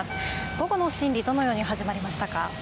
午後の審理、どのように始まりましたか。